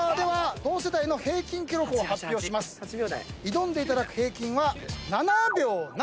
挑んでいただく平均は７秒７。